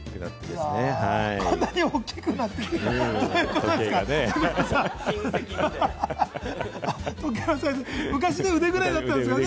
こんなに大きくなって、時計がね。